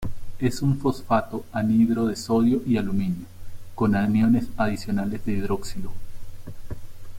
Es un fosfato anhidro de sodio y aluminio, con aniones adicionales de hidroxilo.